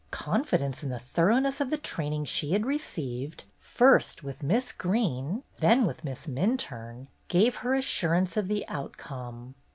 Confidence in the thoroughness of the training she had received, first with Miss Greene, then with Miss Minturne, gave her assurance of the outcome.